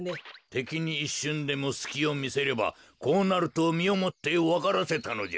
てきにいっしゅんでもすきをみせればこうなるとみをもってわからせたのじゃ。